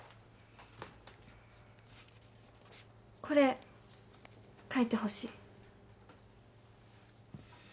これ描いてほしい。